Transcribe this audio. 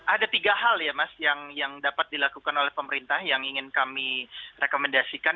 ada tiga hal ya mas yang dapat dilakukan oleh pemerintah yang ingin kami rekomendasikan